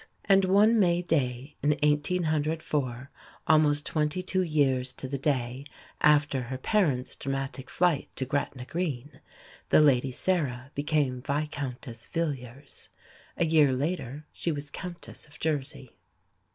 And one May day in 1804 almost twenty two years to the day after her parents' dramatic flight to Gretna Green the Lady Sarah became Vicountess Villiers. A year later she was Countess of Jersey.